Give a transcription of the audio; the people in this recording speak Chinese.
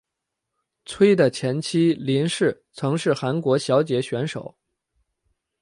崔的前妻林氏曾是韩国小姐选手。